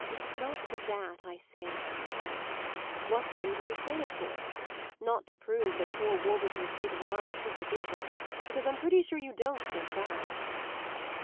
"It's not for that I say it." "What then do you say it for. Not to prove that poor Warburton's state of mind's superficial, because I'm pretty sure you don't think that."